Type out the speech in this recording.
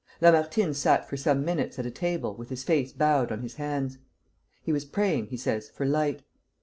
Lamartine sat for some minutes at a table with his face bowed on his hands. He was praying, he says, for light.